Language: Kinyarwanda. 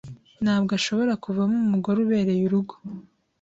ntabwo ashobora kuvamo umugore ubereye urugo